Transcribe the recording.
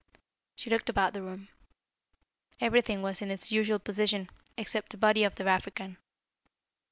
She looked about the room. Everything was in its usual position, except the body of the African.